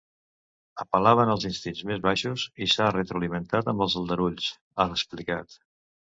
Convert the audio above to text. Apel·laven als instints més baixos i s’ha retroalimentat amb els aldarulls, ha explicat.